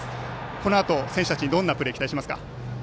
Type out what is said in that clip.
このあと選手たちにどんなプレーを期待しますか。